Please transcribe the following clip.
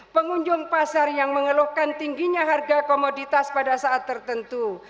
pengunjung pasar yang mengeluhkan tingginya harga komoditas pada saat tertentu